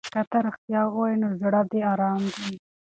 که ته رښتیا ووایې نو زړه دې ارام وي.